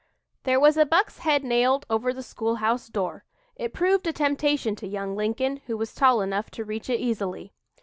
There was a buck's head nailed over the school house door. It proved a temptation to young Lincoln, who was tall enough to reach it easily.